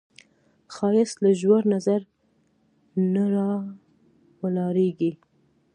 ښایست له ژور نظر نه راولاړیږي